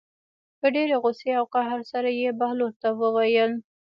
په ډېرې غوسې او قهر سره یې بهلول ته وویل.